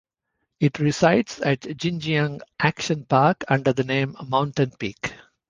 It resides at Jinjiang Action Park under the name "Mountain Peak".